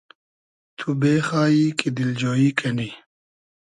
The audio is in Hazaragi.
تو بېخایی کی دیلجۉیی کنی